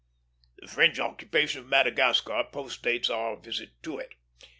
The French occupation of Madagascar postdates our visit to it.